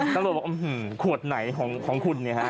ตำรวจบอกขวดไหนของคุณเนี่ยฮะ